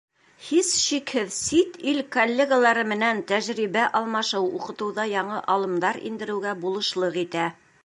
Һис шикһеҙ, сит ил коллегалары менән тәжрибә алмашыу уҡытыуҙа яңы алымдар индереүгә булышлыҡ итә.